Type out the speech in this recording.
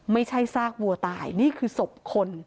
ไม่ใช่ซากวัวตายนี่คือศพคน